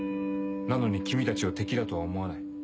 なのに君たちを敵だとは思わない。